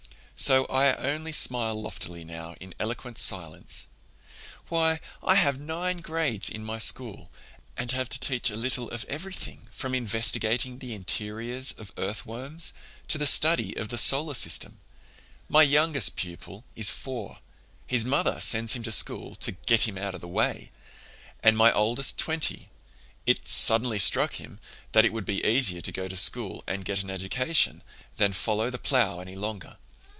So I only smile loftily now in eloquent silence. Why, I have nine grades in my school and I have to teach a little of everything, from investigating the interiors of earthworms to the study of the solar system. My youngest pupil is four—his mother sends him to school to 'get him out of the way'—and my oldest twenty—it 'suddenly struck him' that it would be easier to go to school and get an education than follow the plough any longer.